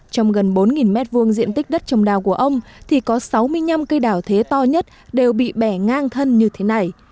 trong gần bốn m hai diện tích đất trồng đào của ông thì có sáu mươi năm cây đào thế to nhất đều bị bẻ ngang thân như thế này